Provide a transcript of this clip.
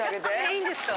いいんですか？